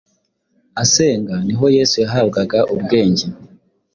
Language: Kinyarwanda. asenga ni ho Yesu yahabwaga ubwenge